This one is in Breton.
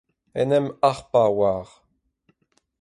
en em harpañ war